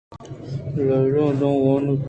لیلہ وَ مُدام وان ایت۔